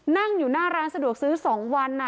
นั่งอยู่หน้าร้านสะดวกซื้อ๒วัน